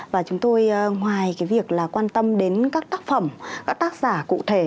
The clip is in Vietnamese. và chúng tôi ngoài cái việc là quan tâm đến các tác phẩm các tác giả cụ thể